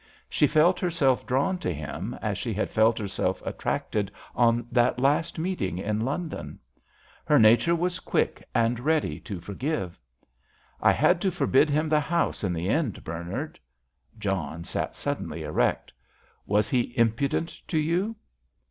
She felt herself drawn to him, as she had felt herself attracted on that last meeting in London. Her nature was quick and ready to forgive. "I had to forbid him the house in the end, Bernard." John sat suddenly erect. "Was he impudent to you?"